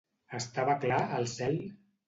Estava clar, el cel?